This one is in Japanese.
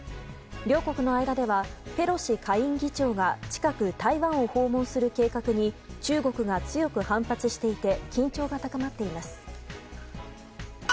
両国の間では、ペロシ下院議長が近く台湾を訪問する計画に中国が強く反発していて緊張が高まっています。